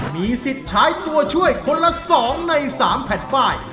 มีสิทธิ์ใช้ตัวช่วยคนละ๒ใน๓แผ่นป้าย